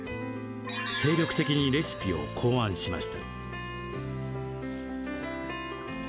精力的にレシピを考案しました。